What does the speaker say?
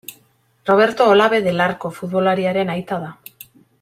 Roberto Olabe del Arco futbolariaren aita da.